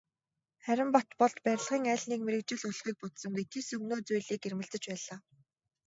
Харин Батболд барилгын аль нэг мэргэжил олохыг бодсонгүй, тэс өмнөө зүйлийг эрмэлзэж байлаа.